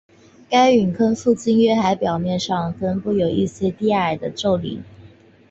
该陨坑附近的月海表面上分布有一些低矮的皱岭。